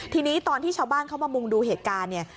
ทีนี้ตอนที่ชาวบ้านเข้ามามุงดูเหตุการณ์เนี่ย